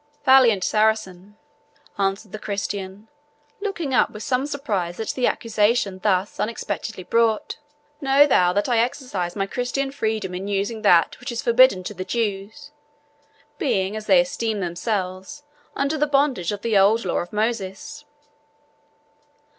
"Valiant Saracen," answered the Christian, looking up with some surprise at the accusation thus unexpectedly brought, "know thou that I exercise my Christian freedom in using that which is forbidden to the Jews, being, as they esteem themselves, under the bondage of the old law of Moses.